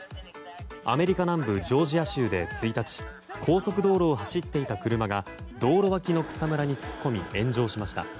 アメリカ南部ジョージア州で１日高速道路を走っていた車が道路脇の草むらに突っ込み炎上しました。